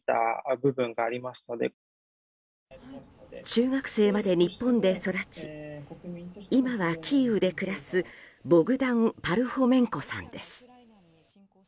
中学生まで日本で育ち今はキーウで暮らすボグダン・パルホメンコさんです。